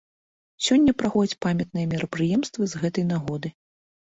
Сёння праходзяць памятныя мерапрыемствы з гэтай нагоды.